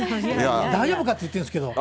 大丈夫かって言ってるんですけど。